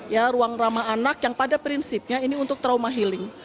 ya ruang ramah anak yang pada prinsipnya ini untuk trauma healing